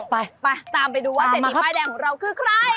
ไปไปตามไปดูว่าเศรษฐีป้ายแดงของเราคือใคร